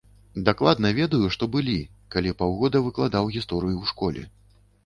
Дакладна ведаю, што былі, калі паўгода выкладаў гісторыю ў школе.